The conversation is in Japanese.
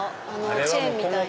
チェーンみたいな。